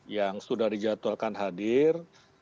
yang sudah dijadwalkan hadir